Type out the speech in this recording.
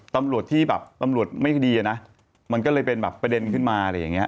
ตำรวจที่แบบตำรวจไม่คดีอะนะมันก็เลยเป็นแบบประเด็นขึ้นมาอะไรอย่างเงี้